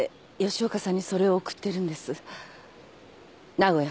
名古屋？